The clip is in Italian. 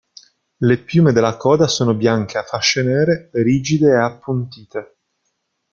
Le piume della coda sono bianche a fasce nere, rigide e appuntite.